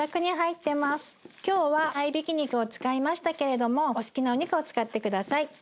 今日は合いびき肉を使いましたけれどもお好きなお肉を使って下さい。